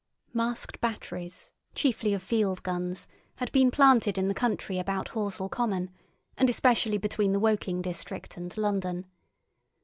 Masked batteries, chiefly of field guns, had been planted in the country about Horsell Common, and especially between the Woking district and London.